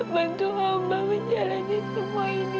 bantu hamba menjalani semua ini